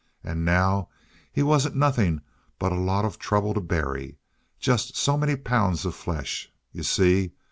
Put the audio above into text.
And now he wasn't nothing but a lot of trouble to bury. Just so many pounds of flesh. You see?